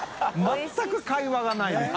全く会話がないね。